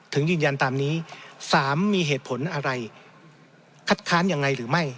ยืนยันตามนี้๓มีเหตุผลอะไรคัดค้านยังไงหรือไม่